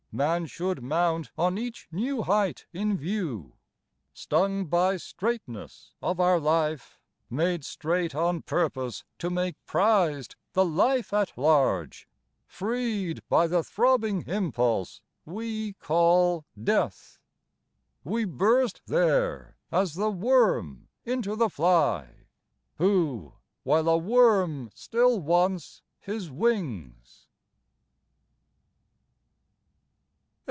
Man should mount on each New height in view "... 12 )6a0tcr IFnterpreteD "Stung by straitness of our life, made strait On purpose to make prized the life at large — Freed by the throbbing impulse we call death. We burst There as the worm into the fly, Who while a worm still wants his wings."